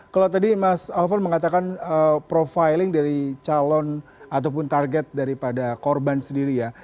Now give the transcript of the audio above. kalau tadi mas alfon mengatakan profiling dari calon ataupun target daripada korban sendiri ya